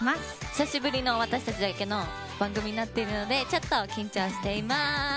久しぶりの私たちだけの番組になっているのでちょっと緊張しています。